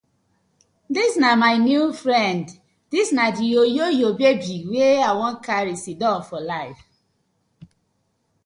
Dis na my new friend, dis na di oyoyo babi wey I won karry sidon for life.